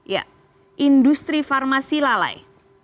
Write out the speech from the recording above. ya industri farmasi lalai